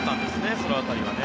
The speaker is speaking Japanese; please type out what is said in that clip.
その辺はね。